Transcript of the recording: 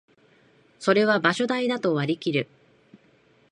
それは場所代だと割りきる